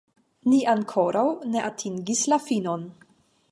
Ni ankoraŭ ne atingis la finon.